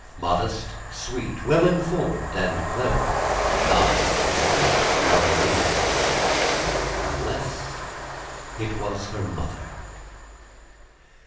Modest, sweet, well informed, and clever, none could eclipse Marianina unless it was her mother.